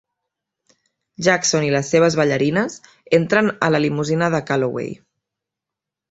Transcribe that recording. Jackson i les seves ballarines entren a la limusina de Calloway.